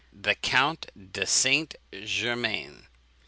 THE COUNT DE ST. GERMAIN.